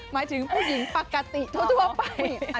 หมายถึงผู้หญิงปกติทั่วไป